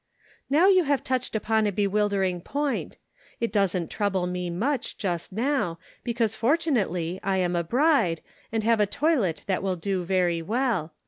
" Now you have touched upon a bewildering point. It doesn't trouble me much, just now, because, fortunately, I am a bride, and have a toilet that will do very well.